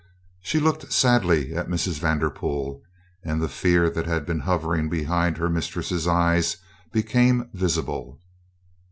She looked sadly at Mrs. Vanderpool, and the fear that had been hovering behind her mistress's eyes became visible.